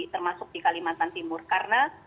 termasuk di kalimantan timur